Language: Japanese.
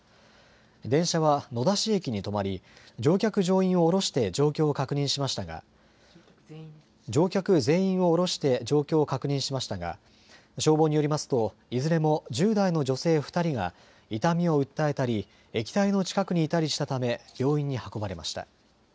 電車は野田市駅に止まり乗客乗員を降ろして状況を確認しましたが乗客全員を降ろして状況を確認しましたが消防によりますといずれも１０代の女性２人が痛みを訴えたり液体の近くにいたりしたため病院に運ばれました。